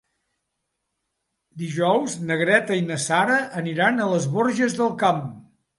Dijous na Greta i na Sara aniran a les Borges del Camp.